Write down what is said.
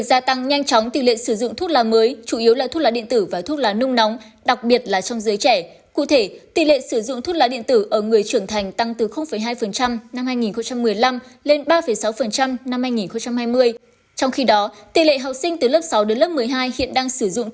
xin chào các bạn